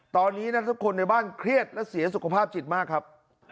ตอนนี้นักทุกคนในบ้านเครียดและเสียสุขภาพจิตมากครับ